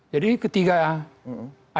jadi ketiga ya